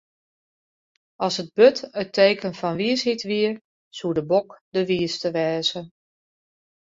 As it burd it teken fan wysheid wie, soe de bok de wiiste wêze.